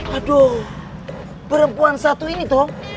aduh perempuan satu ini toh